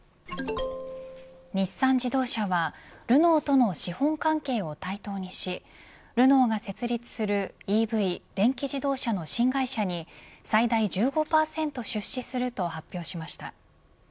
日産自動車はルノーとの資本関係を対等にしルノーが設立するＥＶ電気自動車の新会社に最大１５％出資すると発表しました。